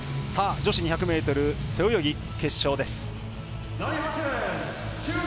女子２００ｍ背泳ぎ決勝です。